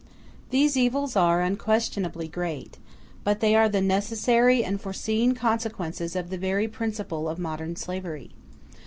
These evils are unquestionably great; but they are the necessary and foreseen consequence of the very principle of modern slavery.